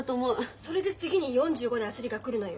それで次に４５で焦りがくるのよ。